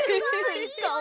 すごい！